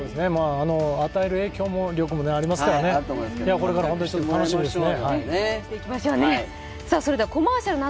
与える影響力もありますからね、これから本当に楽しみですね。